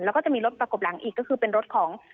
แล้วก็จะมีรถประกบหลังอีกก็คือเป็นรถของ